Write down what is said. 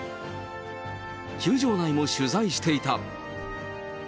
球場内も取材していた。